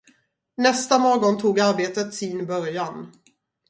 Nästa morgon tog arbetet sin början.